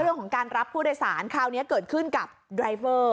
เรื่องของการรับผู้โดยสารคราวนี้เกิดขึ้นกับดรายเวอร์